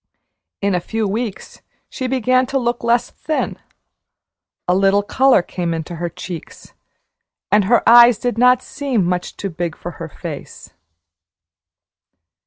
In a few weeks she began to look less thin. A little color came into her cheeks, and her eyes did not seem much too big for her face.